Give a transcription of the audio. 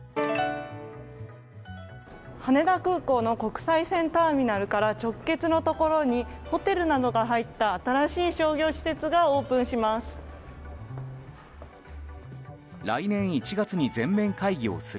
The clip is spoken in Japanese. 羽田空港の国際線ターミナルから直結のところにホテルなどが入った新しい商業施設がオープンします。